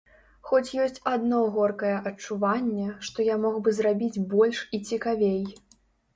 Хоць ёсць адно горкае адчуванне, што я мог бы зрабіць больш і цікавей.